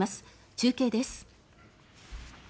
中継です。